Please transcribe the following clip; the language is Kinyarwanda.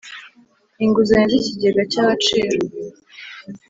Inguzanyo z Ikigega cya agaciro